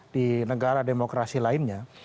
di negara demokrasi lainnya